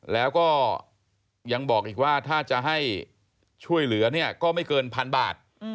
แล้วก็ยังบอกอีกว่าถ้าจะให้ช่วยเหลือเนี่ยก็ไม่เกินพันบาท